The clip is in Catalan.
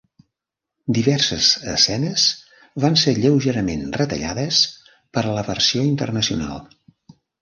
Diverses escenes van ser lleugerament retallades per a la versió internacional.